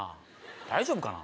大丈夫かな？